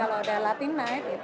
kalau ada latin night gitu